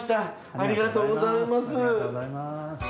ありがとうございます。